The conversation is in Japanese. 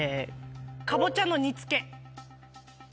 かぼちゃの煮つけ？